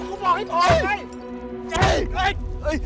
กูบอกให้พอไง